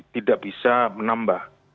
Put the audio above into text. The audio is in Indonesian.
tidak bisa menambah